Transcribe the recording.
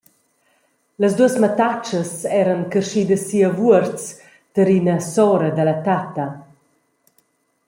Las duas mattatschas eran carschidas si a Vuorz tier ina sora dalla tatta.